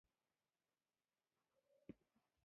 سوډیم د خپل وروستي قشر یو الکترون کلورین ته ورکوي.